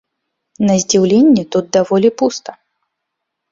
На здзіўленне, тут даволі пуста.